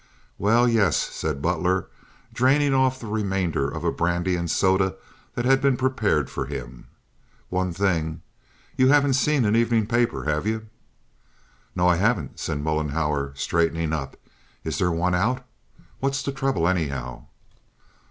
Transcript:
"Well, yes," said Butler, draining off the remainder of a brandy and soda that had been prepared for him. "One thing. You haven't seen an avenin' paper, have you?" "No, I haven't," said Mollenhauer, straightening up. "Is there one out? What's the trouble anyhow?"